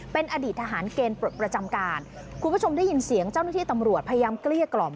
เป็นอดีตทหารเกณฑ์ปลดประจำการคุณผู้ชมได้ยินเสียงเจ้าหน้าที่ตำรวจพยายามเกลี้ยกล่อม